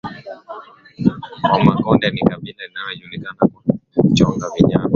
Wamakonde ni kabila inalojulikana kwa kuchonga vinyago